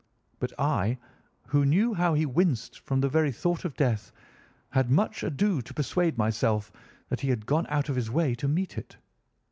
But I, who knew how he winced from the very thought of death, had much ado to persuade myself that he had gone out of his way to meet it.